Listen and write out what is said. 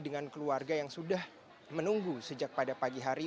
dengan keluarga yang sudah menunggu sejak pada pagi hari